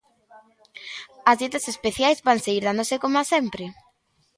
As dietas especiais van seguir dándose coma sempre.